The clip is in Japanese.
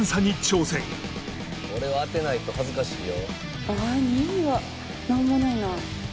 「これは当てないと恥ずかしいよ」